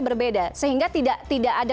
berbeda sehingga tidak ada